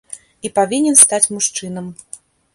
І павінен стаць мужчынам.